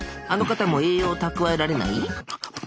あの方も栄養を蓄えられない？